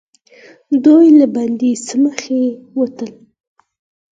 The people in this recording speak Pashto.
دوئ له بندې سمڅې ووتل.